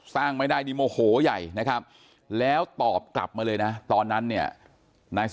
สร้างไม่ได้โมโหใหญ่แล้วตอบกลับมาเลยนะตอนนั้น